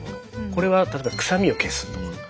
これは例えば臭みを消すとか。